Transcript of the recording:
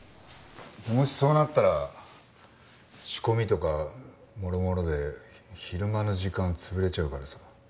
もしそうなったら仕込みとかもろもろで昼間の時間潰れちゃうからさ。